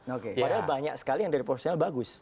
padahal banyak sekali yang dari profesional bagus